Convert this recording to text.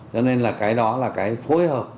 cho nên là cái đó là cái phối hợp